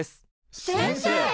先生！